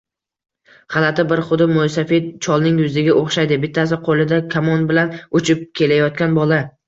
Gʻalati: biri xuddi moʻysafid cholning yuziga oʻxshaydi, bittasi qoʻlida kamon bilan uchib kelayotgan bola.